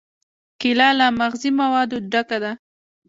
کېله له مغذي موادو ډکه ده.